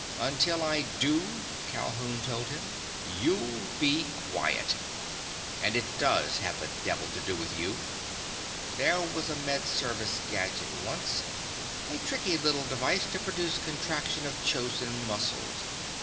"Until I do," Calhoun told him, "you'll be quiet. And it does have the devil to do with you. There was a Med Service gadget once—a tricky little device to produce contraction of chosen muscles.